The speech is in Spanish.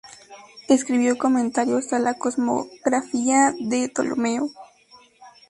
Escribió comentarios a la "Cosmografía" de Ptolomeo.